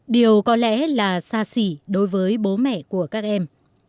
điều có lẽ là xa xỉ đối với bố mẹ của các em